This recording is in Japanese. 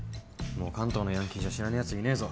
もう関東のヤンキーじゃ知らねえやついねえぞ。